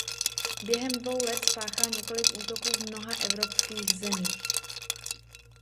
Během dvou let spáchal několik útoků v mnoha evropských zemích.